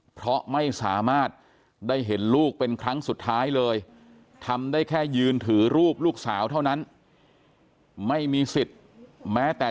ไปทำได้แค่ยืนถือรูปลูกสาวเท่านั้นไม่มีสิทธิ์แม้แต่